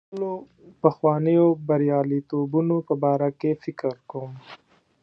د خپلو پخوانیو بریالیتوبونو په باره کې فکر کوم.